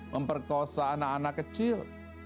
memperkosa anak anak kecil